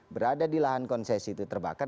berada di lahan konsesi itu terbakar